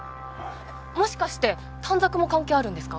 もしかして短冊も関係あるんですか？